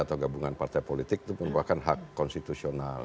atau gabungan partai politik itu merupakan hak konstitusional